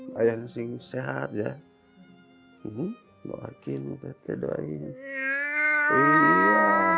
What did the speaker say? bayang sing sehat ya uh loakin pt doain ya